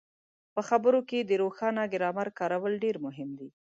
په خبرو کې د روښانه ګرامر کارول ډېر مهم دي.